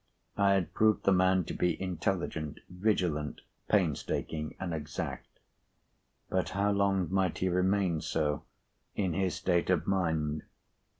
I had proved the man to be intelligent, vigilant, painstaking, and exact; but how long might he remain so, in his state of mind?